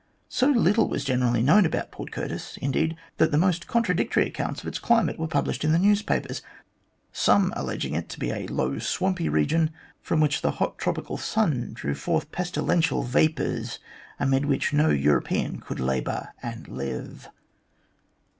So little was generally known about Port Curtis, indeed, that the most contradictory accounts of its climate were published in the newspapers, some alleging it to be a low, swampy region, from which the hot tropical sun drew forth pestilential vapours, amid which no European could labour and live.